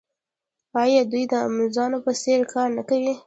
آیا دوی د امازون په څیر کار نه کوي؟